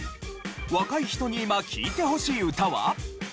若い人に今聴いてほしい歌は？